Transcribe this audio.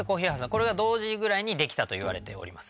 これが同時ぐらいにできたといわれております